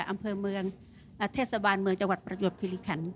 อำเพล๒๓๐๗อำเภอเมืองทรกรพิภิกัณฑ์